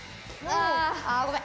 あごめん。